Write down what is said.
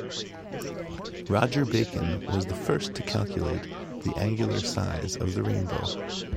Roger Bacon was the first to calculate the angular size of the rainbow.